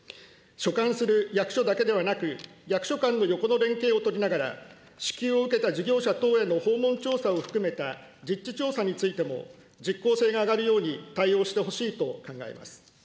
所管する役所だけではなく、役所間の横の連携を取りながら、支給を受けた事業者等への訪問調査を含めた実地調査についても、実効性が上がるように対応してほしいと考えます。